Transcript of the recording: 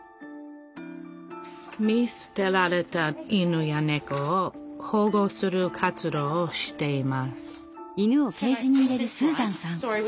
見すてられた犬やねこを保護する活動をしています